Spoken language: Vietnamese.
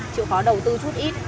chịu khó đầu tư chút ít